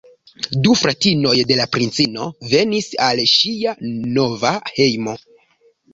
Du fratinoj de la princino venis al ŝia nova hejmo.